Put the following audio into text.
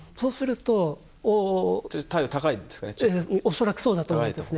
恐らくそうだと思うんですね。